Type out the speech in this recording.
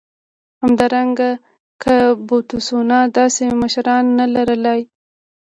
همدارنګه که بوتسوانا داسې مشران نه لر لای.